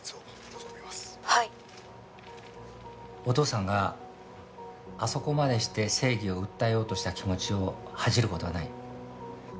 お父さんがあそこまでして正義を訴えようとした気持ちを恥じる事はない。